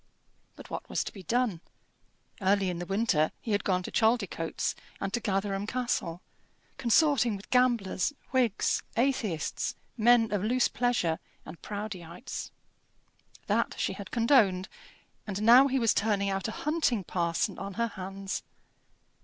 But what was to be done? Early in the winter he had gone to Chaldicotes and to Gatherum Castle, consorting with gamblers, Whigs, atheists, men of loose pleasure, and Proudieites. That she had condoned; and now he was turning out a hunting parson on her hands.